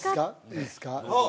いいですか？